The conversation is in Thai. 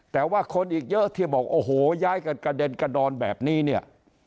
แต่ว่าคนอีกเยอะที่บอกโอ้โหย้ายกันกระเด็นกระดอนแบบนี้เนี่ย